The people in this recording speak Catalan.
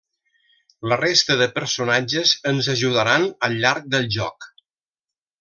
La resta de personatges ens ajudaran al llarg del joc.